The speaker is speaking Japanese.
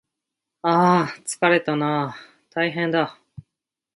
ああああつかれたなああああたいへんだ